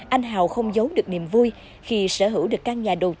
anh hào không giấu được niềm vui khi sở hữu được căn nhà đồ